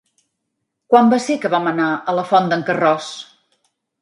Quan va ser que vam anar a la Font d'en Carròs?